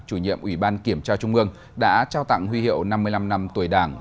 chủ nhiệm ủy ban kiểm tra trung ương đã trao tặng huy hiệu năm mươi năm năm tuổi đảng